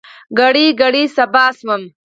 کړۍ، کړۍ صهبا شوم